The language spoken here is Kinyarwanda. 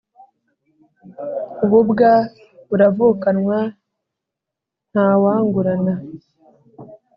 Ububwa buravukanwa ntawangurana